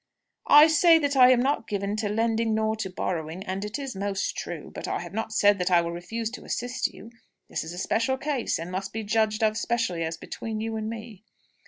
"I say that I am not given to lending nor to borrowing; and it is most true. But I have not said that I will refuse to assist you. This is a special case, and must be judged of specially as between you and me."